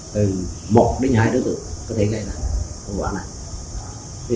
từ một đến hai đối tượng có thể gây ra quảng này